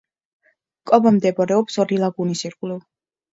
კობა მდებარეობს ორი ლაგუნის ირგვლივ.